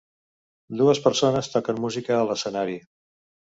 Dues persones toquen música a l'escenari.